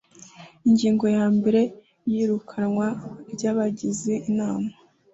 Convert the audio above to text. ingingo yambere iyirukanwa ry abagize inama